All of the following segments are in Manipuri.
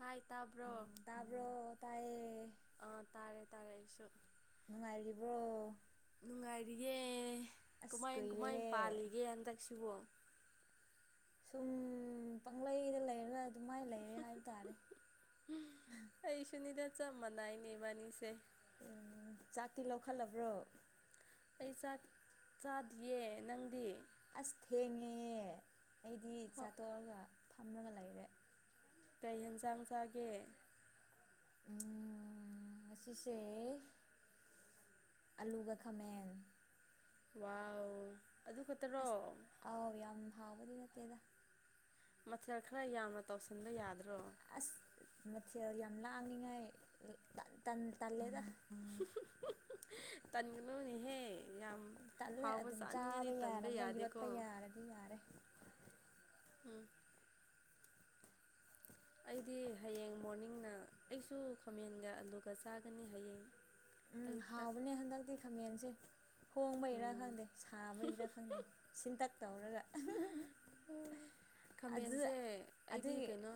ꯍꯥꯏ ꯇꯥꯕ꯭ꯔꯣ ꯇꯥꯕ꯭ꯔꯣ ꯇꯥꯏꯌꯦ ꯑꯥ ꯇꯥꯔꯦ ꯇꯥꯔꯦ ꯑꯩꯁꯨ ꯅꯨꯡꯉꯥꯏꯔꯤꯕ꯭ꯔꯣ ꯑꯦꯦ ꯑꯁ ꯀꯃꯥꯏ ꯀꯃꯥꯏ ꯀꯨꯏꯔꯦꯍꯦ ꯄꯥꯜꯂꯤꯒꯦ ꯍꯟꯗꯛꯁꯤꯕꯣ ꯁꯨꯝ ꯄꯪꯂꯩꯗ ꯂꯩꯅ ꯑꯗꯨꯃꯥꯏꯅ ꯂꯩꯔꯦ ꯍꯥꯏꯕ ꯇꯥꯔꯦ ꯆ ꯃꯅꯥꯏꯅꯤꯕꯅꯤꯁꯦ ꯎꯝ ꯆꯥꯛꯇꯤ ꯂꯧꯈꯠꯂꯕ꯭ꯔꯣ ꯑꯩ ꯆꯥꯛ ꯆꯥꯗ꯭ꯌꯦ ꯅꯪꯗꯤ ꯑꯁ ꯊꯦꯡꯉꯦꯌꯦ ꯑꯩꯗꯤ ꯆꯥꯠꯇꯣꯛꯑꯒ ꯐꯝꯃꯒ ꯂꯩꯔꯦ ꯀꯩ ꯌꯦꯦꯟꯖꯥꯡ ꯅꯨꯡ ꯆꯥꯒꯦ ꯎ ꯁꯤꯁꯦ ꯑꯂꯨꯒꯈꯥ ꯃꯦꯟ ꯋꯥꯎ ꯑꯗꯨ ꯈꯛꯇꯔꯣ ꯍꯥꯎꯕꯅꯤ ꯅꯠꯇꯦꯗ ꯃꯊꯦꯜ ꯈꯔ ꯌꯥꯝꯅ ꯇꯧꯁꯤꯟꯕ ꯌꯥꯗ꯭ꯔꯣ ꯑꯁ ꯃꯊꯦꯜ ꯌꯥꯝ ꯂꯥꯡꯅꯤꯉꯥꯏ ꯇꯜꯂꯦꯗ ꯇꯥꯟꯒꯅꯣꯅꯤꯍꯦ ꯌꯥꯝ ꯌꯥꯝ ꯇꯜꯂꯦ ꯍꯥꯎꯕ ꯑꯗꯨꯝ ꯆꯥꯅꯤꯡꯉꯗꯤ ꯆꯥꯕ ꯇꯟꯕ ꯌꯥꯅꯕ ꯌꯥꯗꯦꯀꯣ ꯌꯣꯠꯄ ꯌꯥꯔꯗꯤ ꯌꯥꯔꯦ ꯎꯝ ꯑꯩꯗꯤ ꯍꯌꯦꯡ ꯃꯣꯔꯅꯤꯡꯅ ꯑꯩꯁꯨ ꯈꯥꯃꯦꯟꯒ ꯑꯂꯨꯒ ꯆꯥꯒꯅꯤ ꯍꯌꯦꯡ ꯎꯝ ꯑꯌꯨꯛꯇ ꯍꯥꯎꯕꯅꯦ ꯍꯟꯗꯛꯇꯤ ꯈꯥꯃꯦꯟꯁꯦ ꯍꯣꯡꯕ ꯏꯔꯥ ꯎꯝ ꯈꯪꯗꯦ ꯁꯥꯕꯩꯔꯥ ꯈꯪꯗꯦ ꯁꯤꯟꯇꯛ ꯇꯧꯔꯒ [unintelligible] ꯈꯥꯃꯦꯟꯁꯦ ꯑꯩꯗꯤ ꯑꯗꯨꯒꯤ ꯀꯩꯅꯣ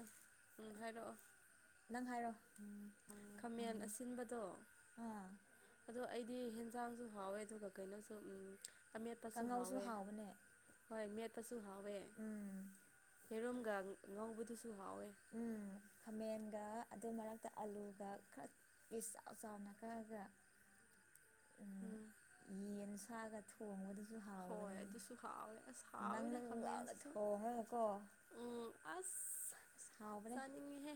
ꯍꯥꯏ ꯅꯪ ꯍꯥꯏꯔꯣ ꯈꯥꯃꯦꯟ ꯑꯁꯤꯟꯕꯗꯣ ꯑꯥ ꯑꯗꯣ ꯑꯩꯗꯤ ꯍꯦꯟꯖꯥꯡꯁꯨ ꯍꯥꯎꯋꯦ ꯑꯗꯨꯒ ꯀꯩꯅꯣꯁꯨ ꯑꯃꯦꯠꯄꯁꯨ ꯀꯥꯡꯉꯧꯁꯨ ꯍꯥꯎꯋꯦ ꯍꯥꯎꯕꯅꯦ ꯍꯣꯏ ꯃꯦꯠꯇꯁꯨ ꯍꯥꯎꯋꯦ ꯎꯝ ꯍꯦꯔꯣꯝꯒ ꯉꯧꯕꯗꯨꯁꯨ ꯁꯨꯍꯋꯦ ꯎꯝ ꯈꯥꯃꯦꯟꯒ ꯑꯗꯨ ꯃꯔꯛꯇ ꯑꯥꯂꯨꯒ ꯈꯔ ꯄꯤꯁ ꯆꯥꯎꯅ ꯀꯛꯑꯒ ꯎꯝ ꯌꯦꯟ ꯁꯥꯒ ꯊꯣꯡꯕꯗ ꯍꯣꯏ ꯑꯗꯨ ꯑꯗꯨꯁꯨ ꯍꯥꯎꯣꯏ ꯑꯁ ꯅꯪ ꯍꯥꯎꯣꯏꯅꯦ ꯅꯪ ꯂꯥꯎꯅ ꯈꯝꯁꯤꯦꯁꯨ ꯊꯣꯡꯉꯒꯀꯣ ꯎꯝ ꯑꯁ ꯑꯁ ꯍꯥꯎꯕꯅꯦ ꯆꯥꯅꯤꯡꯉꯤꯍꯦ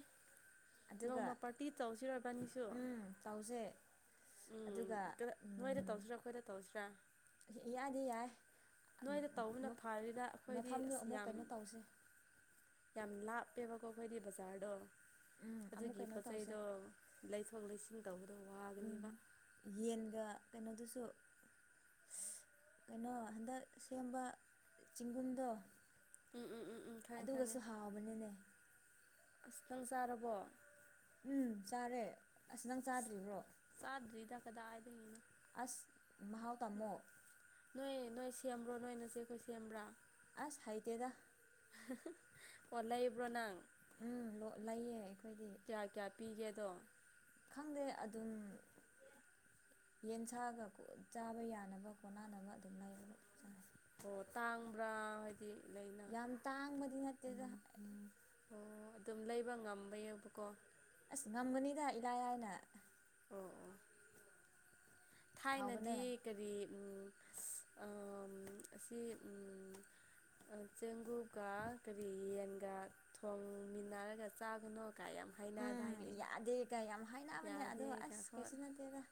ꯑꯗꯨꯒ ꯅꯣꯡꯃ ꯄꯥꯔꯇꯤ ꯆꯥꯎꯧꯁꯤꯔ ꯐꯅꯤꯁꯨ ꯎꯝ ꯇꯧꯁꯦ ꯎꯝ ꯑꯗꯨꯒ ꯅꯣꯏꯗ ꯇꯧꯁꯤꯔꯥ ꯑꯩꯈꯣꯏꯗ ꯇꯧꯁꯤꯔꯥ ꯌꯥꯗꯦ ꯌꯥꯏ ꯅꯣꯏꯗ ꯇꯧꯕꯅ ꯃ- ꯐꯔꯤꯗ ꯑꯩꯈꯣꯏꯗꯤ ꯃꯐꯝꯗꯣ ꯑꯁ ꯑꯃꯨꯛ ꯌꯥꯝ ꯀꯩꯅꯣ ꯇꯧꯁꯦ ꯌꯥꯝ ꯂꯥꯞꯄꯦꯕ ꯑꯩꯣ ꯑꯩꯈꯣꯏꯗꯤ ꯕꯖꯥꯔꯗꯣ ꯎꯝ ꯑꯃꯨꯛ ꯑꯗꯨꯒꯤ ꯀꯩꯅꯣ ꯄꯣꯠꯆ ꯇꯧꯁꯦ ꯆꯩꯗꯣ ꯂꯩꯊꯣꯛ ꯂꯩꯁꯤꯟ ꯇꯧ ꯌꯦꯟꯒ ꯀꯩꯅꯣꯗꯨꯁꯨ ꯀꯩꯅꯣ ꯍꯟꯗꯛ ꯁꯦꯝꯕ ꯆꯤꯡꯒꯨꯝꯗꯣ ꯎꯝ ꯎꯝ ꯎꯝ ꯎꯝ ꯑꯗꯨꯒꯁꯨ ꯍꯥꯎꯕꯅꯤꯅꯦ ꯑꯁꯇꯪ ꯆꯥꯔꯕꯣ ꯎꯝ ꯆꯥꯔꯦ ꯑꯁ ꯅꯪ ꯆꯥꯗ꯭ꯔꯤꯕ꯭ꯔꯣ ꯆꯥꯗ꯭ꯔꯤꯗ ꯀꯗꯥꯏꯗꯒꯤꯅꯣ ꯑꯁ ꯃꯍꯥꯎ ꯇꯥꯝꯃꯣ ꯅꯣꯏ ꯅꯣꯏ ꯁꯦꯝꯕ꯭ꯔꯣ ꯅꯣꯏꯅ ꯆꯦ ꯑꯩꯈꯣꯏ ꯁꯦꯝꯕ꯭ꯔꯥ ꯑꯁ ꯍꯥꯏꯥꯏꯇꯗ ꯑꯣꯟꯂꯕ꯭ꯔꯣꯅꯪ ꯎꯝ ꯂꯣ ꯂꯩꯌꯦ ꯑꯩꯈꯣꯏꯗꯤ ꯀꯌꯥ ꯀꯌꯥ ꯄꯤꯒꯦꯗꯣ ꯈꯪꯗꯦ ꯑꯗꯨꯝ ꯌꯦꯟꯁꯥꯒ ꯆꯥꯕ ꯌꯥꯅꯕ ꯀꯣꯟꯅꯅꯕ ꯑꯗꯨꯝ ꯂꯩꯔꯒ ꯑꯗꯨꯝ ꯆ ꯑꯣ ꯇꯥꯡꯕ꯭ꯔꯥ ꯍꯥꯏꯗꯤ ꯂꯩꯅ ꯌꯥꯝ ꯇꯥꯡꯕꯗꯤ ꯅꯠꯇꯦꯗ ꯑꯣ ꯑꯗꯨꯝ ꯂꯩꯕ ꯉꯝꯕ ꯌꯥꯕꯀꯣ ꯑꯁ ꯉꯝꯒꯅꯤꯗ ꯏꯂꯥꯏ ꯂꯥꯏꯅ ꯑꯣ ꯑꯣ ꯍꯥꯎꯕꯅꯦ ꯊꯥꯏꯅꯗꯤ ꯀꯔꯤ ꯑꯁꯤ ꯆꯦꯡꯒꯨꯞꯒ ꯀꯔꯤ ꯌꯦꯟꯒ ꯊꯣꯡꯃꯤꯟꯅꯔꯒ ꯆꯥꯒꯅꯣ ꯀꯒꯥꯏꯝ ꯎꯝ ꯍꯥꯏꯅꯗꯥꯥꯏꯅꯦ ꯌꯥꯗꯦꯒ ꯌꯥꯝ ꯍꯥꯏꯅꯕꯅꯦ ꯑꯗꯣ ꯌꯥꯗꯦꯗ ꯑꯁ ꯍꯣꯏ ꯀꯩꯁꯨ ꯅꯠꯇꯦꯗ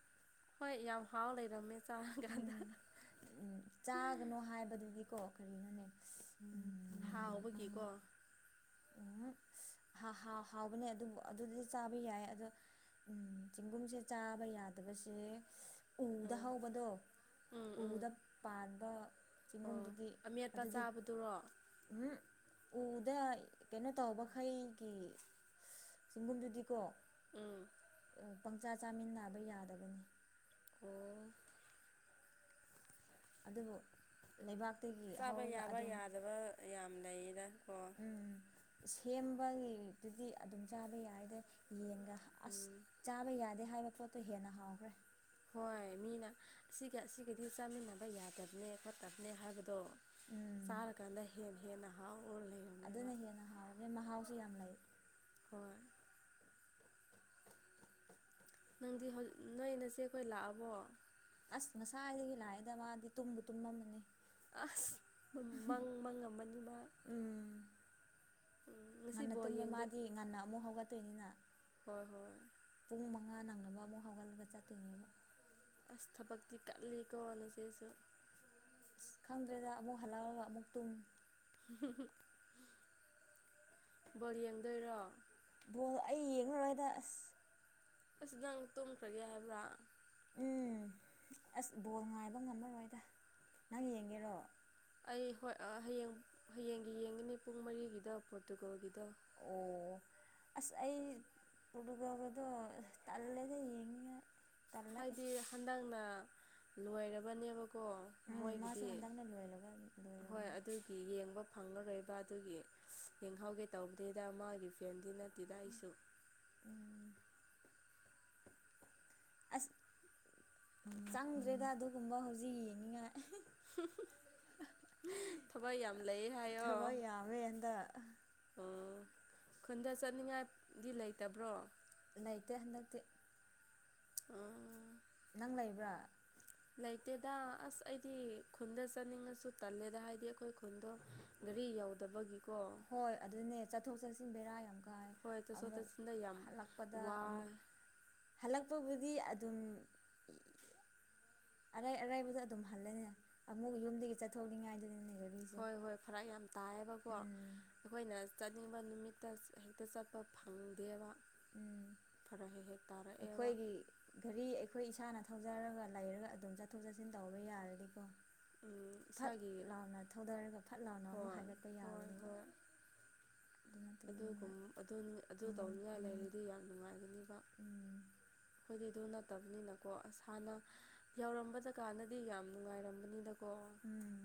ꯍꯣꯏ ꯌꯥꯎ ꯍꯥꯎ ꯂꯩꯔꯝꯃꯦ ꯆꯥ ꯀꯥꯟꯗ ꯎꯝ ꯎꯝ ꯆꯥꯒꯅꯣ ꯍꯥꯏꯕꯗꯨꯗꯤꯀꯣ ꯀꯔꯤꯅꯣꯅꯦ ꯎꯝ ꯍꯥꯎꯕꯒꯤꯀꯣ ꯎꯝ ꯍꯥꯎ ꯍꯥꯎꯕꯅꯦ ꯑꯗꯨꯕꯨ ꯑꯗꯨꯗꯤ ꯆꯥꯕ ꯌꯥꯏ ꯑꯗꯣ ꯎꯝ ꯆꯦꯡꯒꯨꯝꯁꯦ ꯆꯥꯕ ꯌꯥꯗꯕꯁꯦ ꯎꯗ ꯎꯝ ꯍꯧꯕꯗꯣ ꯎꯝ ꯎꯝ ꯎꯗ ꯄꯥꯟ ꯑꯣ ꯆꯤꯡꯒꯨꯝꯗꯨꯗꯤ ꯑꯃꯦꯠꯄ ꯑꯗꯨꯗꯤ ꯆꯥꯕꯗꯨꯔꯣ ꯎꯝ ꯎꯗ ꯀꯩꯅꯣ ꯇꯧꯕꯈꯩꯒꯤ ꯆꯤꯡꯒꯨꯝꯗꯨꯗꯤꯀꯣ ꯎꯝ ꯄꯪꯆꯥ ꯆꯥꯃꯤꯟꯅꯕ ꯌꯥꯗꯕꯅꯤ ꯎ ꯑꯗꯨꯕꯨ ꯂꯩꯕꯥꯛ ꯆꯥꯕ ꯌꯥꯕ ꯌꯥꯗꯕ ꯌꯥꯝ ꯂꯩꯌꯦꯅ ꯎꯝ ꯁꯦꯝꯕꯒꯤꯗꯨꯗꯤ ꯑꯗꯨꯝ ꯆꯥꯕ ꯌꯥꯏꯗ ꯑꯁ ꯎꯝ ꯆꯥꯕ ꯌꯥꯗꯦ ꯍꯥꯏꯕ ꯄꯣꯠꯇꯣ ꯍꯦꯟꯅ ꯍꯥꯎꯈ꯭ꯔꯦ ꯍꯣꯏ ꯃꯤꯅ ꯑꯁꯤꯒ ꯑꯁꯤꯒꯗꯤ ꯆꯥꯃꯤꯟꯅꯕ ꯌꯥꯗꯕꯅꯦ ꯈꯣꯠꯇꯕꯅꯦ ꯍꯥꯏꯕꯗꯣ ꯎꯝ ꯆꯔ ꯀꯥꯟꯗ ꯍꯦ ꯍꯦꯟꯅ ꯍꯥꯥꯎ ꯑꯣꯏ ꯑꯗꯨꯅ ꯍꯦꯟꯅ ꯍꯥꯎꯔꯕꯅꯦ ꯃꯍꯥꯎꯁꯨ ꯌꯥꯝ ꯂꯩ ꯍꯣꯏ ꯅꯪꯗꯤ ꯅꯣꯏ ꯅꯁꯦ ꯑꯩꯈꯣꯏ ꯂꯥꯛꯑꯕꯣ ꯑꯁ ꯉꯁꯥꯏꯗꯒꯤ ꯂꯥꯛꯏꯗ ꯃꯥꯗꯤ ꯇꯨꯝꯕ ꯇꯨꯝꯃꯝꯃꯅꯤ ꯑꯁ ꯃꯪ ꯃꯪꯉꯝꯝꯕꯅꯤ ꯃꯥ ꯎꯝ ꯉꯁꯤ ꯉꯟꯅ ꯕꯣꯜ ꯇꯨꯝꯃꯦ ꯌꯦꯡꯗꯣꯏ ꯃꯥꯗꯤ ꯉꯟꯅ ꯑꯃꯨꯛ ꯍꯧꯒꯠꯇꯣꯏꯅꯤꯅ ꯍꯣꯏ ꯍꯣꯏ ꯄꯨꯡ ꯃꯉꯥ ꯅꯪꯅꯕ ꯑꯃꯨꯛ ꯍꯧꯒꯠꯂꯒ ꯆꯠꯇꯣꯏꯅꯦꯕ ꯑꯁꯚꯛꯇꯤ ꯇꯠꯂꯤꯀꯅ ꯆꯦꯁꯨ ꯑꯁ ꯈꯪꯗ꯭ꯔꯦꯗ ꯑꯃꯨꯛ ꯍꯜꯂꯥꯎꯑꯒ ꯑꯃꯨꯛ ꯇꯨꯝ ꯕꯣꯔ ꯌꯦꯡꯗꯣꯏꯔꯣ ꯕꯣꯜ ꯑꯩ ꯌꯦꯡꯉꯔꯣꯏꯗ ꯑꯁ ꯑꯁ ꯅꯪ ꯇꯨꯝꯈ꯭ꯔꯒꯦ ꯍꯥꯏꯕ꯭ꯔꯥ ꯎꯝ ꯑꯁ ꯕꯣꯜ ꯉꯥꯏꯕ ꯉꯝꯃꯔꯣꯏꯗ ꯅꯪ ꯌꯦꯡꯒꯦꯔꯣ ꯑꯩ ꯍꯣꯏ ꯍꯌꯦꯡ ꯍꯌꯦꯡꯒꯤ ꯌꯦꯡꯒꯅꯤ ꯄꯨꯡ ꯃꯔꯤꯒꯤꯗ ꯄꯣꯔꯇꯨꯒꯣꯜꯒꯤꯗ ꯑꯣ ꯑꯁ ꯑꯩ ꯄꯨꯕꯗꯣ ꯇꯜꯂꯦꯗ ꯌꯦꯡꯉꯉꯥꯏ ꯍꯥꯏꯗꯤ ꯍꯟꯗꯛꯅ ꯂꯣꯏꯔꯕꯅꯦꯕ ꯀꯣ ꯎꯝ ꯃꯥꯁꯨ ꯃꯣꯏꯒꯤꯗꯤ ꯍꯟꯗꯛꯅ ꯂꯣꯏꯔꯒ ꯍꯣꯏ ꯂꯣꯏꯔꯕꯅꯤ ꯑꯗꯨꯒꯤ ꯌꯦꯡꯕ ꯐꯪꯉꯔꯣꯏꯕ ꯑꯗꯨꯒꯤ ꯌꯦꯡꯍꯧꯒꯦ ꯇꯧꯕꯗꯨꯩꯗ ꯃꯥꯒꯤ ꯐ꯭ꯔꯦꯟꯗꯤ ꯅꯠꯇꯦꯗ ꯑꯩꯁꯨ ꯎꯝ ꯑꯁ ꯆꯪꯗ꯭ꯔꯦꯗ ꯑꯗꯨꯒꯨꯝꯕ ꯍꯧꯖꯤꯛ ꯌꯦꯡꯉꯉꯥꯏ ꯊꯋꯥꯏ ꯌꯥꯝ ꯂꯩ ꯍꯥꯏꯌꯣ ꯊꯕꯛ ꯌꯥꯝꯃꯦ ꯍꯟꯗꯛ ꯑꯣ ꯈꯨꯟꯗ ꯆꯠꯅꯤꯡꯉꯥꯏꯗꯤ ꯂꯩꯇꯕ꯭ꯔꯣ ꯂꯩꯥꯏꯇ ꯍꯅꯗꯤ ꯎ ꯅꯪ ꯂꯩꯕ꯭ꯔꯥ ꯂꯩꯇꯦꯗ ꯑꯁ ꯑꯩꯗꯤ ꯈꯨꯟꯗ ꯆꯠꯅꯤꯡꯉꯁꯨ ꯇꯜꯂꯦꯗ ꯍꯥꯏꯗꯤ ꯑꯩꯈꯣꯏ ꯈꯨꯟꯗꯣ ꯄ ꯌꯥꯎꯗꯕꯒꯤ ꯍꯣꯏ ꯑꯗꯨꯅꯦ ꯆꯠꯊꯣꯛ ꯆꯠꯁꯤꯟ ꯕꯦꯔꯥ ꯌꯥꯝ ꯍꯣꯏ ꯆꯠꯊꯣꯛ ꯑꯃꯨꯛ ꯆꯠꯁꯤꯟꯗ ꯌꯥꯝ ꯍꯜꯂꯛꯄꯗ ꯋꯥꯏ ꯑꯃꯨꯛ ꯍꯛ ꯑꯄꯕꯨꯗꯤ ꯑꯗꯨꯝ ꯑꯔꯩ ꯑꯔꯥꯏꯕꯗ ꯑꯗꯨꯝ ꯍꯜꯂꯅꯦ ꯑꯃꯨꯛ ꯌꯨꯝꯗꯒꯤ ꯆꯠꯊꯣꯛꯅꯤꯡꯉꯥꯏꯗꯨꯅꯤꯅꯦ ꯒꯥꯔꯤꯁꯦ ꯍꯣꯏ ꯍꯣꯏ ꯐꯔꯛ ꯌꯥꯝ ꯇꯥꯏꯌꯦꯕꯀꯣ ꯎꯝ ꯑꯩꯈꯣꯏꯅ ꯆꯠꯅꯤꯡꯕ ꯅꯨꯃꯤꯠꯇ ꯍꯦꯛꯇ ꯆꯠꯄ ꯐꯪꯗꯦꯕ ꯎꯝ ꯐꯔꯛ ꯍꯦꯛ ꯍꯦꯛ ꯇꯥꯔꯛꯑꯦꯕ ꯑꯩꯈꯣꯏꯒꯤ ꯘꯔꯤ ꯑꯩꯈꯣꯏ ꯏꯁꯥꯅ ꯊꯧꯖꯔꯒ ꯂꯩꯔꯒ ꯑꯗꯨꯝ ꯆꯠꯊꯣꯛ ꯆꯠꯁꯤꯟ ꯇꯧꯕ ꯌꯥꯔꯗꯤꯀꯣ ꯐꯠ ꯏꯁꯥꯒꯤ ꯂꯥꯎꯅ ꯊꯧꯗꯔꯒ ꯐꯠ ꯂꯥꯎꯅ ꯑꯃꯨꯛ ꯍꯣꯏ ꯍꯥꯏꯒꯠꯄ ꯌꯥꯕꯅꯦꯕ [unintelligible] ꯑꯗꯨꯒ ꯅꯠꯇꯕꯅꯤꯅ ꯑꯗꯨ ꯇꯧꯅꯤꯉꯥꯏ ꯂꯩꯔꯗꯤ ꯌꯥꯝ ꯅꯨꯡꯉꯥꯏꯒꯅꯤ ꯎꯝ ꯑꯩꯈꯣꯏꯗꯤ ꯑꯗꯨ ꯅꯠꯇꯕꯅꯤꯅꯀꯣꯁꯥꯟꯅ ꯌꯧꯔꯝꯕꯗꯀꯥꯟꯗꯗꯤ ꯌꯥꯝ ꯅꯨꯡꯉꯥꯏꯔꯝꯕꯅꯤꯅꯀꯣ ꯎꯝ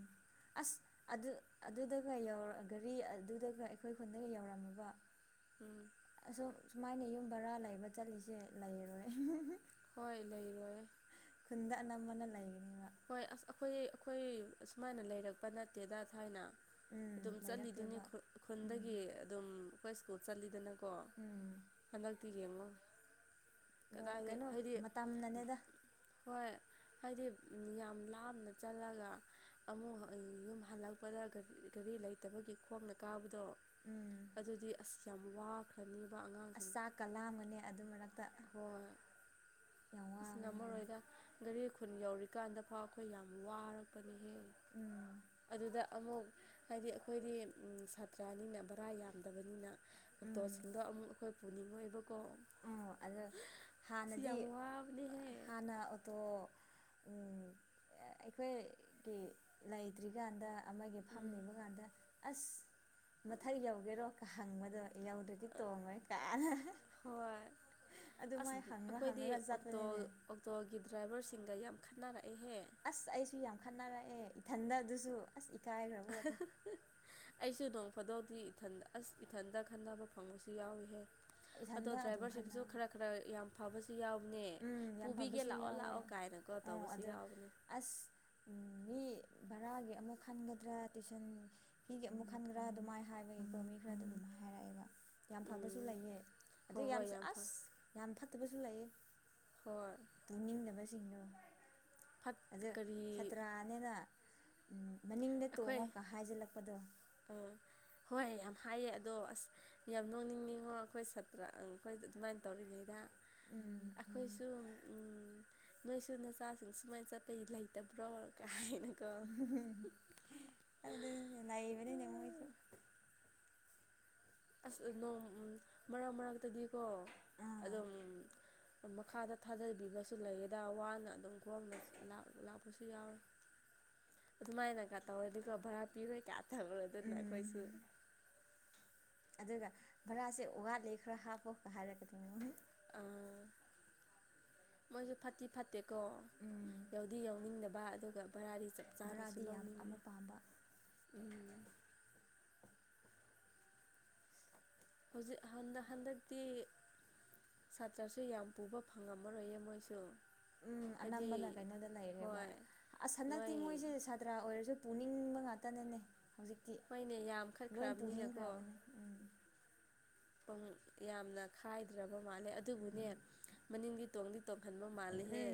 ꯑꯁ ꯑꯗꯨ ꯑꯗꯨꯗꯒ ꯌꯧ ꯒꯥꯔꯤ ꯑꯗꯨꯗꯒ ꯑꯩꯈꯣꯏ ꯈꯨꯟꯗꯒ ꯌꯧꯔꯝꯃꯕ ꯎꯝ ꯑꯁꯨꯝ ꯁꯨꯃꯥꯏꯅ ꯌꯨꯝ ꯕꯔꯥ ꯂꯩꯕ ꯆꯠꯂꯤꯁꯦ ꯂꯩꯔꯣꯏ ꯍꯣꯏ ꯂꯩꯔꯣꯏꯌꯦ ꯈꯨꯟꯗ ꯑꯅꯝꯕꯅ ꯂꯩꯒꯅꯤ ꯍꯣꯏ ꯑꯁ ꯑꯩꯈꯣꯏ ꯑꯩꯈꯣꯏ ꯑ ꯁꯁꯨꯃꯥꯏꯅ ꯂꯩꯔꯛꯄ ꯅꯠꯇꯦꯗ ꯊꯥꯏꯅ ꯎꯝ ꯑꯗꯨꯝ ꯆꯠꯂꯤꯗꯨꯅꯤ ꯂꯩꯔꯛꯇꯦꯕ ꯎꯝ ꯈꯨꯟꯗꯒꯤ ꯑꯗꯨꯝ ꯑꯩꯈꯣꯏ ꯁ꯭ꯀꯨꯜ ꯆꯠꯂꯤꯗꯅ ꯀꯣ ꯎꯝ ꯍꯟꯗꯛꯇꯤ ꯌꯦꯡꯉꯣ ꯂꯣꯏ ꯀꯗꯥꯏꯗ ꯀꯩꯅꯣ ꯍꯥꯏꯗꯤ ꯃꯇꯝꯅꯅꯦꯗ ꯍꯣꯏ ꯍꯥꯏꯗꯤ [inaudible] ꯌꯥꯝ ꯂꯥꯞꯅ ꯆꯜꯂꯒ ꯑꯃꯨꯛ ꯌꯨꯝ ꯍꯜꯂꯛꯄꯗ ꯒꯥꯔꯤ ꯂꯩꯇꯕꯒꯤ ꯈꯣꯡꯅ ꯀꯥꯎꯕ ꯑꯗꯣ ꯎꯝ ꯑꯗꯨꯗꯤ ꯑꯁ ꯌꯥꯝ ꯋꯥꯈ꯭ꯔꯅꯤ ꯑꯁꯥ ꯀꯂꯥ ꯑꯃꯅꯦ ꯑꯗꯨ ꯃꯔ ꯍꯣꯏ ꯑꯁꯤꯅ ꯋꯥꯕꯅꯤꯅꯦ ꯃꯔꯔꯣꯏꯗ ꯒꯥꯔꯤ ꯈꯨꯟ ꯌꯧꯔꯤꯀꯥꯟꯗꯐꯥꯎ ꯑꯩꯈꯣꯏ ꯌꯥꯝ ꯋꯥꯔꯛꯄꯅꯦꯍꯦ ꯎꯝ ꯑꯗꯨꯗ ꯑꯃꯨꯛ ꯍꯥꯏꯗꯤ ꯑꯩꯈꯣꯏꯗꯤ ꯁꯥꯇ꯭ꯔ ꯑꯅꯤꯅ ꯏ ꯌꯥꯝꯗꯕꯅꯤꯅ ꯎꯝ ꯗꯇꯣꯁꯤꯡꯗꯣ ꯑꯃꯨꯛ ꯑꯩꯈꯣꯏ ꯄꯨꯅꯤꯡꯉ ꯑꯣꯏꯕ ꯑꯣ ꯑꯗꯨ ꯁꯤ ꯍꯥꯟꯅꯗꯤ ꯌꯥꯝ ꯋꯥꯕꯅꯦꯍꯦ ꯍꯥꯟꯅ ꯑꯣꯇꯣ ꯑꯩꯈꯣꯏꯒꯤ ꯂꯩꯇ꯭ꯔꯤꯀꯥꯟꯗ ꯑꯃꯒꯤ ꯎꯝ ꯐꯝꯅꯤꯕ ꯀꯥꯟꯗ ꯑꯁ ꯃꯊꯛ ꯌꯧꯒꯦꯔꯣ ꯍꯪꯕꯗꯣ ꯌꯧꯗ꯭ꯔꯗꯤ ꯇꯣꯡꯉꯣꯏ ꯀꯥꯟꯅ ꯍꯣꯏ ꯑꯁ ꯑꯩꯈꯣꯏꯗꯤꯛꯇꯣ ꯆꯠꯄꯅꯤꯅꯦ ꯑꯣꯛꯇꯣꯒꯤ ꯗ꯭ꯔꯥꯏꯚꯔꯁꯤꯡꯒ ꯌꯥꯝ ꯈꯟꯅꯔ ꯑꯁ ꯑꯩꯁꯨ ꯌꯥꯝ ꯈꯠꯅꯔꯛꯑꯦ ꯏꯊꯟꯗ ꯑꯗꯨꯁꯨ ꯑꯁ ꯏꯀꯥꯏꯈ꯭ꯔꯕ ꯄꯣꯠꯅꯤ ꯑꯩꯁꯨ ꯅꯣꯡ ꯐꯣꯗꯣꯗꯤ ꯏꯊꯟꯗ ꯑꯁ ꯏꯊꯟꯗ ꯈꯟꯅꯕ ꯐꯪꯕꯁꯨ ꯌꯥꯎꯏꯤꯍꯦ ꯑꯗꯣ ꯏꯊꯟꯗ ꯑꯗꯨꯝ ꯗ꯭ꯔꯥꯏꯚꯔꯁꯤꯡꯗꯨꯁꯨ ꯈꯠꯅꯩ ꯈꯔ ꯈꯔ ꯌꯥꯝ ꯐꯕꯁꯨ ꯌꯥꯎꯕꯅꯦ ꯎꯝ ꯌꯥꯝ ꯄꯨꯕꯤꯒꯦ ꯐꯕꯁꯨ ꯂꯥꯛꯑꯣ ꯌꯥꯎꯋꯦ ꯂꯥꯛꯑꯣ ꯀꯥꯏꯅꯀꯣ ꯑꯣ ꯇꯧꯕꯁꯨ ꯑꯗ ꯌꯥꯎꯕꯅꯦ ꯑꯁ ꯎꯝ ꯃꯤ ꯚꯔꯥꯒꯤ ꯑꯃꯨꯛ ꯈꯟꯒꯗ꯭ꯔꯥ ꯇꯨꯏꯁꯟ ꯐꯤꯒꯤ ꯑꯃꯨꯛ ꯈꯟꯒ꯭ꯔꯥ ꯑꯗꯨꯃꯥꯏꯅ ꯍꯥꯏꯕꯒꯤꯀꯣ ꯃꯤ ꯈꯔꯗ ꯑꯗꯨꯝ ꯍꯥꯏꯔꯛꯑꯦꯕ ꯌꯥꯝ ꯐꯕꯁꯨ ꯎꯝ ꯂꯩꯌꯦ ꯍꯣꯏ ꯑꯗꯨꯩ ꯌꯥꯝ ꯍꯣꯏ ꯐ ꯑꯁ ꯌꯥꯝ ꯑꯝ ꯐꯠꯇꯠꯕꯁꯨ ꯂ ꯂꯩꯌꯦ ꯍꯣꯏ ꯄꯨꯅꯤꯡꯗꯕꯁꯤꯡꯗꯣ ꯐꯠ ꯑ ꯀꯔꯤ ꯁꯥꯇ꯭ꯔꯥꯅꯤꯅ ꯎꯝ ꯃꯅꯤꯡꯗ ꯑꯩꯈꯣꯏ ꯇꯣꯡꯉꯣꯀ ꯍꯥꯏꯖꯤꯜꯂꯛꯄꯗꯣ ꯑꯩ ꯌꯥꯝ ꯍꯥꯏꯌꯦ ꯑꯗꯣ ꯑꯁ ꯌꯥꯝ ꯅꯣꯡꯅꯤꯡꯉꯉꯣ ꯑꯩꯈꯣꯏ ꯁꯥꯇ꯭ꯔ ꯑꯩꯈꯣꯏ ꯑꯗꯨꯃꯥꯏꯅ ꯇꯧꯔꯤꯉꯩꯗ ꯎꯝ ꯑꯩꯈꯣꯏꯁꯨ ꯅꯣꯏꯁꯨ ꯅꯆꯥꯁꯤꯡ ꯁꯨꯃꯥꯏꯅ ꯆꯠꯄꯒꯤ ꯂꯩꯇꯕ꯭ꯔꯣ ꯀꯥꯏꯅ ꯑꯗꯤ ꯂꯏꯕꯅꯤ ꯃꯁꯨ ꯑꯁ ꯅꯣꯡ ꯃꯔꯛ ꯃꯔꯛꯇꯗꯤꯀꯣ ꯑꯥ ꯑꯗꯨꯝ ꯃꯈꯥꯗ ꯊꯥꯗꯕꯤꯕꯁꯨ ꯂꯩꯌꯦꯦꯗ ꯋꯥꯅ ꯑꯗꯨꯝ ꯈꯒꯣꯅ ꯂꯥꯛꯄꯁꯨ ꯌꯥꯎꯋꯤ [inaudible] ꯑꯗꯨꯃꯥꯏꯅꯀꯥ ꯇꯧꯔꯗꯤꯀꯣ ꯚꯔꯥ ꯄꯤꯔꯣꯏ ꯀ ꯇꯧꯔꯣꯏ ꯑꯗꯨ ꯎꯝ ꯅꯈꯣꯏꯁꯨ ꯑꯗꯨꯒ ꯚꯔꯥꯁꯦ ꯑꯣ ꯋꯥ ꯂꯩ ꯈꯔ ꯍꯥꯞꯄꯣꯒ ꯍꯥꯏꯔꯒꯗꯤ ꯃ ꯑ ꯃꯣꯏꯁꯨ ꯐꯥꯇꯤ ꯐꯇꯦ ꯀꯣ ꯎꯝ ꯌꯥꯎꯗꯤ ꯌꯥꯎꯅꯤꯡꯗꯕ ꯑꯗꯨꯒ ꯕꯔꯥꯗꯤ ꯆꯞ ꯆꯥꯅꯁꯨ ꯚꯔꯥꯗꯤ ꯌꯥꯝ ꯂꯧꯅꯤꯡꯉꯤ ꯑꯃꯨꯛ ꯄꯥꯝꯕ ꯎ ꯍꯧꯖꯤꯛ ꯍꯟꯗ ꯍꯟꯗꯛꯇꯤ ꯁꯥꯇ꯭ꯔꯁꯨ ꯌꯥꯝ ꯄꯨꯕ ꯐꯪꯉꯝꯃꯔꯣꯏꯌꯦ ꯃꯣꯏꯁꯨ ꯎꯝ ꯍꯥꯏꯗꯤ ꯑꯅꯝꯕꯅ ꯀꯩꯅꯣꯗ ꯂꯩꯔꯦꯕ ꯍꯣꯏ ꯍꯟꯗꯛꯇꯤ ꯂꯣꯏ ꯃꯣꯏꯁꯦ ꯁꯥꯇ꯭ꯔ ꯑꯣꯏꯔꯁꯨ ꯄꯨꯅꯤꯡꯕ ꯉꯥꯛꯇꯅꯦꯅꯦ ꯍꯧꯖꯤꯛꯇꯤ ꯍꯣꯏꯅꯦ ꯌꯥꯝ ꯂꯣꯏ ꯈꯠꯈ꯭ꯔꯕꯅꯤꯅꯀꯣ ꯄꯨꯅꯤꯡꯈ꯭ꯔꯕꯅꯦ ꯎꯝ ꯄ ꯌꯥꯝꯅ ꯈꯥꯏꯗ꯭ꯔꯕ ꯃꯥꯜꯂꯦ ꯑꯗꯨꯕꯨꯅꯦ ꯃꯅꯤꯡꯒꯤ ꯇꯣꯡꯗꯤ ꯇꯣꯡꯍꯟꯕ ꯃꯥꯜꯂꯦꯍꯦ ꯎꯝ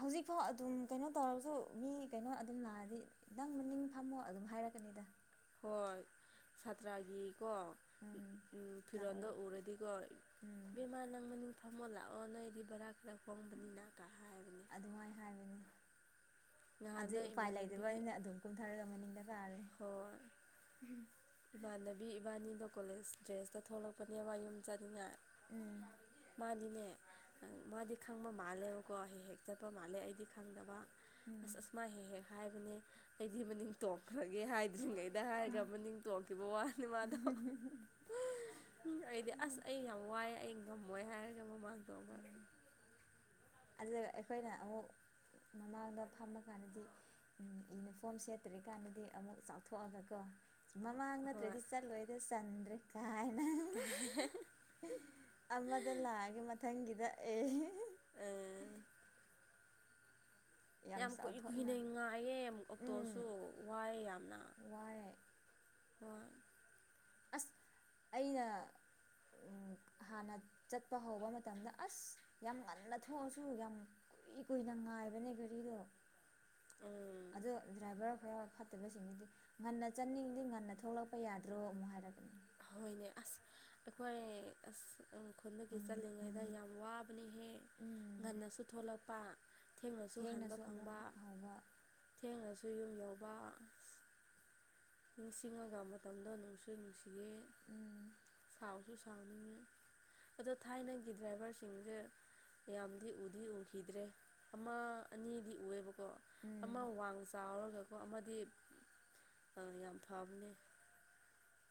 ꯍꯧꯖꯤꯛꯐꯥꯎ ꯑꯗꯨꯝ ꯀꯩꯅꯣ ꯇꯧꯔꯁꯨ ꯃꯤ ꯀꯩꯅꯣ ꯑꯗꯨꯝ ꯂꯥꯛꯑꯗꯤ ꯅꯪ ꯃꯅꯤꯡ ꯐꯝꯃꯣ ꯑꯗꯨꯝ ꯍꯥꯏꯔꯛꯀꯅꯤꯗ ꯍꯣꯏ ꯁꯥꯇꯔꯥꯒꯤ ꯀꯣ ꯎꯝ ꯁꯥꯇ꯭ꯔ ꯐꯤꯔꯣꯜꯗ ꯑꯣꯏ ꯎꯔꯗꯤꯀꯣ ꯎꯝ ꯕꯦꯃꯥ ꯅꯪꯕ ꯐꯝꯃꯣ ꯂꯥꯛꯑꯣ ꯅꯣꯏꯗꯤ ꯕꯔꯥ ꯈꯔ ꯍꯣꯡꯕꯅꯤꯅ ꯀ ꯍꯥꯏꯕꯅꯤ ꯑꯗꯨ ꯎꯄꯥꯏ ꯏꯃꯥꯟꯅꯕꯤ ꯂꯩꯇꯕꯅ ꯑꯗꯨꯝ ꯀꯨꯝꯊꯔꯒ ꯃꯅꯤꯡꯗ ꯀꯥꯔꯦ ꯍꯣꯏ ꯏꯃꯥꯟꯅꯕꯤ ꯏꯕꯥꯅꯤꯗꯣ ꯀꯣꯂꯦꯖ ꯗ꯭ꯔꯦꯁꯇ ꯊꯣꯛꯂꯛꯄꯅꯦ ꯋꯥ ꯌꯨꯝ ꯆꯥꯅꯤꯡꯉꯥꯏ ꯎꯝ ꯃꯥꯗꯤꯅꯦ ꯃꯥꯗꯤ ꯈꯪꯕ ꯃꯥꯜꯂꯦꯕꯀꯣ ꯍꯦꯛ ꯍꯦꯛ ꯆꯠꯄ ꯃꯥꯜꯂꯦ ꯑꯩꯗꯤ ꯈꯪꯗꯕ ꯎꯝ ꯑꯁ ꯑꯁꯃꯥꯏ ꯍꯦꯛ ꯍꯦꯛ ꯍꯥꯏꯕꯅꯦ ꯑꯩꯗꯤ ꯃꯅꯤꯡ ꯇꯣꯡꯈ꯭ꯔꯦ ꯒꯦ ꯍꯥꯏꯗ꯭ꯔꯤꯉꯩꯗ ꯍꯥꯏꯔꯒ ꯃꯅꯤꯡ ꯇꯣꯡꯈꯤꯕ ꯋꯥꯅꯦ ꯃꯥꯗꯣ ꯎ ꯑꯩꯗꯤ ꯑꯁ ꯑꯩ ꯌꯥꯝ ꯋꯥ ꯑꯩ ꯑꯩꯉꯝꯃꯣꯏ ꯍꯥꯏꯔꯒ ꯃꯃꯥꯡꯗ ꯑꯗꯨ ꯑꯩꯈꯣꯏꯅ ꯑꯃꯨꯛ ꯃꯃꯥꯡꯗ ꯐꯝꯃꯀꯥꯟꯗꯗꯤ ꯌꯨꯅꯤꯐꯣꯝ ꯁꯦꯠꯇ꯭ꯔꯤꯀꯥꯟꯗꯗꯤ ꯑꯃꯨꯛ ꯆꯥꯎꯊꯣꯛꯑꯒꯀꯣ ꯃꯃꯥꯡ ꯍꯣꯏ ꯅꯠꯇ꯭ꯔꯦꯗꯤ ꯆꯠꯂꯣꯏꯗ ꯆꯟꯗ꯭ꯔꯦ ꯍꯥꯏꯅ ꯑꯃꯗ ꯂꯥꯛꯑꯒꯦ ꯃꯊꯪꯒꯤꯗ ꯑꯦ ꯑꯦ ꯌꯥꯝ ꯀꯨꯏ ꯀꯨꯏꯅ ꯉꯥꯏꯌꯦ ꯎꯝ ꯑꯣꯛꯇꯣꯁꯨ ꯋꯥꯏꯑ ꯌꯥꯝꯅ ꯍꯦꯛ ꯍꯣꯏ꯫ ꯑꯁ ꯑꯩꯅ ꯎꯝ ꯍꯥꯟꯅ ꯆꯠꯄ ꯍꯧꯕ ꯃꯇꯝꯗ ꯑꯁ ꯌꯥꯝ ꯉꯟꯅ ꯊꯣꯛꯑꯁꯨ ꯌꯥꯝ ꯀꯨꯏ ꯀꯨꯏꯅ ꯉꯥꯏꯕꯅꯦ ꯒꯥꯔꯤꯗꯣ ꯎꯝ ꯑꯗꯣ ꯗ꯭ꯔꯥꯏꯚꯔ ꯈꯔ ꯐꯠꯇꯕꯁꯤꯡꯁꯤꯗꯤ ꯉꯟꯅ ꯆꯠꯅꯤꯡꯉꯗꯤ ꯉꯟꯅ ꯊꯣꯛꯂꯛꯄ ꯌꯥꯗ꯭ꯔꯣ ꯑꯃꯨꯛ ꯍꯥꯏꯔꯛꯀꯅꯤ ꯍꯣꯏꯅꯦ ꯑꯁ ꯑꯩꯈꯣꯏ ꯑꯁ ꯈꯨꯟꯗꯒꯤ ꯆꯠꯂꯤꯉꯩꯗ ꯌꯥꯝ ꯋꯥꯕ ꯑꯗꯨꯅ ꯍꯦ ꯎꯝ ꯉꯟꯅꯁꯨ ꯊꯣꯛꯂꯛꯄ ꯊꯦꯡꯅꯁꯨ ꯍꯟꯕ ꯑꯃꯨꯛ ꯐꯪꯕ ꯍꯧꯕ ꯊꯦꯡꯉꯁꯨ ꯌꯨꯝ ꯌꯥꯎꯕ ꯅꯤꯡꯁꯤꯡꯉꯒ ꯃꯇꯝꯗꯣ ꯅꯨꯡꯁꯨ ꯅꯨꯡꯁꯤꯌꯦ ꯎꯝ ꯁꯥꯎꯁꯨ ꯁꯥꯎꯅꯤꯡꯉꯤ ꯑꯗꯣ ꯊꯥꯏꯅꯒꯤ ꯗ꯭ꯔꯥꯏꯚꯔꯁꯤꯡꯁꯦ ꯃꯌꯥꯝꯗꯤ ꯎꯗꯤ ꯎꯈꯤꯗ꯭ꯔꯦ ꯑꯃ ꯑꯅꯤꯗꯤ ꯎꯑꯕ ꯀꯣ ꯎꯝ ꯑꯃ ꯋꯥꯡ ꯆꯥꯎꯔꯒꯀꯣ ꯑꯃꯗꯤ ꯑꯥ ꯌꯥꯝ ꯐꯥꯕꯅꯦ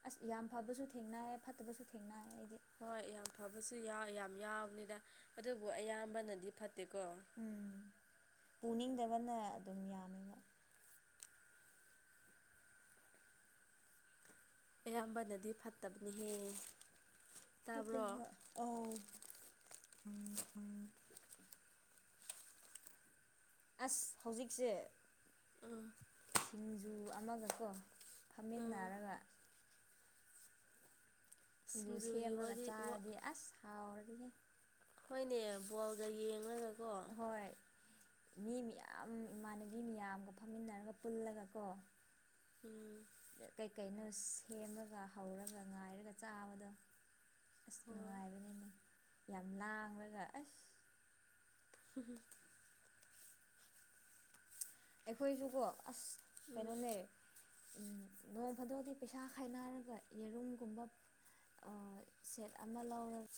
ꯑꯁ ꯌꯥꯝ ꯐꯕꯁꯨ ꯊꯦꯡꯅꯩ ꯐꯠꯇꯕꯁꯨ ꯊꯦꯡꯅꯏꯌꯦꯗꯤ ꯍꯣꯏ ꯌꯥꯝ ꯐꯕꯁꯨ ꯌꯥꯝ ꯌꯥꯎꯕꯅꯤꯗ ꯑꯗꯨꯕꯨ ꯑꯌꯥꯝꯕꯅꯗꯤ ꯐꯠꯇ ꯇꯦꯀꯣ ꯎꯝ ꯄꯨꯅꯤꯡꯗꯕꯅ ꯑꯗꯨꯝ ꯌꯥꯝꯃꯦꯕ ꯑꯌꯥꯝꯕꯅꯗꯤ ꯐꯠꯇꯕꯅꯤꯍꯦ ꯐꯠꯇ ꯇꯥꯕ꯭ꯔꯣ ꯍꯣꯏ ꯑꯥꯎ ꯎꯝ ꯎꯝ ꯑꯁ ꯍꯧꯖꯤꯛꯁꯦ ꯎꯝ ꯁꯤꯡꯖꯨ ꯑꯃꯒꯀꯣ ꯎꯝ ꯐꯝꯃꯤꯟꯅꯔꯒ ꯁꯤꯡꯖꯨ ꯁꯤꯡꯖꯨꯒꯤ ꯁꯦꯝꯃꯒ ꯋꯥꯔꯤ ꯆꯥꯔꯗꯤ ꯑꯁ ꯍꯥꯎꯔꯗꯤꯍꯦ ꯍꯣꯏꯅꯦ ꯕꯣꯜꯗ ꯌꯦꯡꯉꯒ ꯍꯣꯏ ꯃꯤ ꯃꯌꯥꯝ ꯏꯃꯥꯟꯅꯕꯤ ꯃꯌꯥꯝꯒ ꯐꯝꯃꯤꯟꯅꯔꯒ ꯄꯨꯜꯂꯒꯀꯣ ꯎꯝ ꯀꯩ ꯀꯩꯅꯣ ꯁꯦꯝꯃꯒ ꯍꯧꯔꯒ ꯉꯥꯏꯔꯒ ꯆꯥꯕꯗꯣ ꯑꯁ ꯍꯣꯏ ꯅꯨꯡꯉꯥꯏꯕꯅꯤꯅꯦ ꯌꯥꯝ ꯂꯥꯡꯂꯒ ꯑꯁ ꯎꯝ ꯑꯩꯈꯣꯏꯁꯨꯀꯣ ꯑꯁ ꯎꯝ ꯀꯩꯅꯣꯅꯦ ꯅꯣꯡ ꯐꯥꯗꯣꯛꯗꯤ ꯄꯩꯁꯥ ꯈꯥꯏꯅꯔꯒ ꯌꯦꯔꯨꯝꯒꯨꯝꯕ ꯁꯦꯠ ꯑꯃ ꯂꯧꯔꯒ